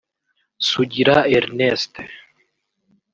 Sugira Ernest